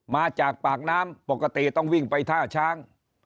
มาจากปากน้ำปกติต้องวิ่งไปท่าช้าง